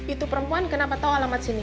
itu perempuan kenapa tahu alamat sini